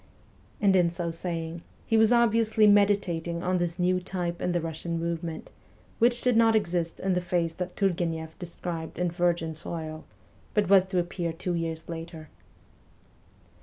And in so saying he was obviously meditating on this new type in the Russian movement, which did not exist in the phase that Turgueneff described in ' Virgin Soil,' but was to appear two years later.